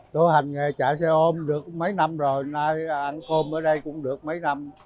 tôi hành nghề chạy xe ôm được mấy năm rồi nay ăn cơm ở đây cũng được mấy năm